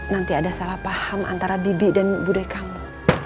nanti ada salah paham antara bibi dan budaya kamu